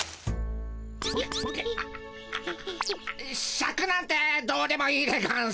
シャクなんてどうでもいいでゴンス。